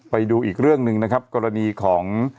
ไปดูอีกเรื่องหนึ่งนะครับกรณีของ